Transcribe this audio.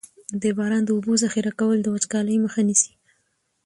د باران د اوبو ذخیره کول د وچکالۍ مخه نیسي.